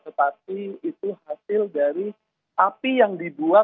tetapi itu hasil dari api yang dibuat